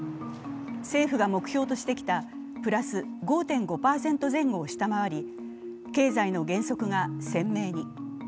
政府が目標としてきたプラス５．５％前後を下回り経済の減速が鮮明に。